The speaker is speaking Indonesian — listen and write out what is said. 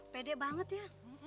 pede banget ya